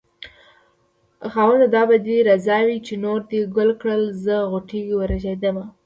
خاونده دا به دې رضا وي چې نور دې ګل کړل زه غوټۍ ورژېدمه